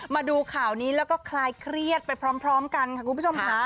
มาดูข่าวนี้แล้วก็คลายเครียดไปพร้อมกันค่ะคุณผู้ชมค่ะ